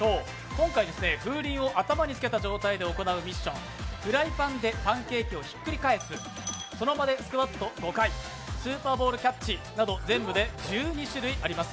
今回、風鈴を頭につけたままで行うミッション、フライパンでパンケーキをひっくり返す、その場でスクワット５回、スーパーボールキャッチなど全部で１２種類あります。